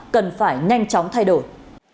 cần phải nhanh chóng thay đổi